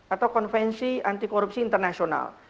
atau konvensi antikorupsi internasional